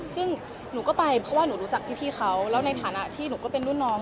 ซึ่งหนูก็ไปเพราะว่าหนูรู้จักพี่เขาแล้วในฐานะที่หนูก็เป็นรุ่นน้อง